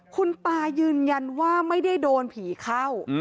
คุณตายืนยันว่าไม่ได้โดนผีเข้า